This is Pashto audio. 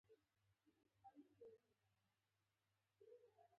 خلک له قبرونو را پورته شوي وي.